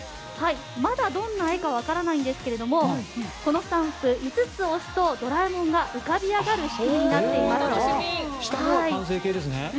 まだ、どんな絵か分からないんですがこのスタンプ５つ押すとドラえもんが浮かび上がる仕組みになっています。